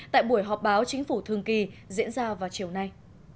tại buổi họp báo chính phủ thường kỳ diễn ra vào chiều nay